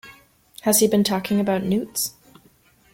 Has he been talking about newts?